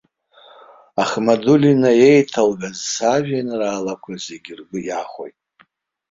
Ахмадулина еиҭалгаз сажәеинраалақәа зегьы ргәы иахәоит.